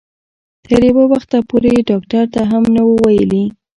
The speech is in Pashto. تر یو وخته پورې یې ډاکټر ته هم نه وو ویلي.